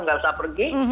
nggak usah pergi